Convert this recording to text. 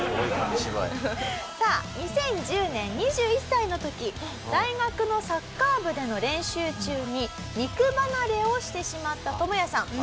さあ２０１０年２１歳の時大学のサッカー部での練習中に肉離れをしてしまったトモヤさん。